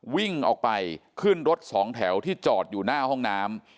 วิ่งออกไปขึ้นรถสองแถวที่จอดอยู่หน้าห้องน้ำ